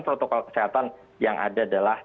protokol kesehatan yang ada adalah